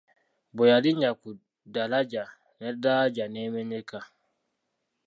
Bwe yalinnya ku daraja N'edaraja n'emenyeka!